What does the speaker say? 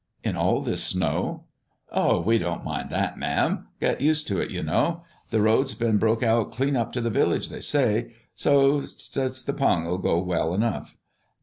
"In all this snow?" "Oh, we don't mind that, ma'am. Get used to it, you know. The road's been broke out clean up t' the village, they say, so 's 't the pung'll go well enough."